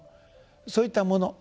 そういったもの。